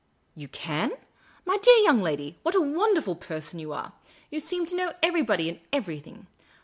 " You can ? My dear young lady, what a wonderful per son you are ! You seem to know everybody, and everything.